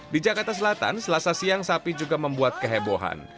di jakarta selatan selasa siang sapi juga membuat kehebohan